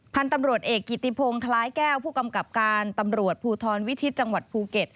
พันธุ์ตำรวจเอกกิติพงศ์คล้ายแก้วผู้กำกับการตำรวจภูทรวิชิตจังหวัดภูเก็ต